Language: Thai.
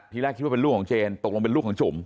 แรกคิดว่าเป็นลูกของเจนตกลงเป็นลูกของจุ๋ม